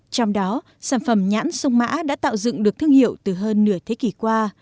trong đó sản phẩm nhãn sông mã đã tạo dựng được thương hiệu từ hơn nửa thế kỷ qua